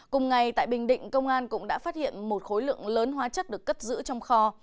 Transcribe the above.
cùng ngày tại bình định công an cũng đã phát hiện một khối lượng lớn hóa chất được cất giữ trong kho